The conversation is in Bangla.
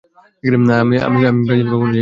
আমি ব্রাজিল কখনো যাইনি।